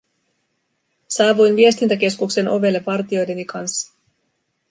Saavuin viestintäkeskuksen ovelle vartijoideni kanssa.